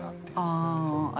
ああ。